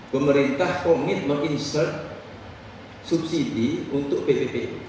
pemerintah kongit menginsert subsidi untuk pppu